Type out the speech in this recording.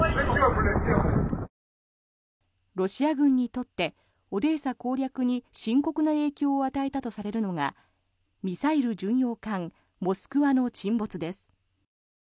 ロシア軍にとってオデーサ攻略に深刻な影響を与えたとされるのがミサイル巡洋艦「モスクワ」の沈没です。